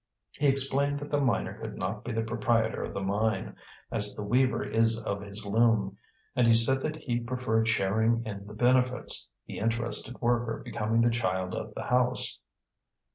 He explained that the miner could not be the proprietor of the mine, as the weaver is of his loom, and he said that he preferred sharing in the benefits, the interested worker becoming the child of the house.